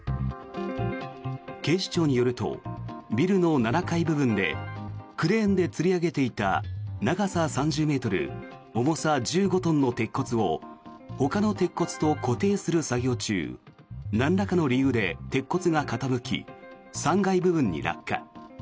警視庁によるとビルの７階部分でクレーンでつり上げていた長さ３０ｍ重さ１５トンの鉄骨をほかの鉄骨と固定する作業中なんらかの理由で鉄骨が傾き、３階部分に落下。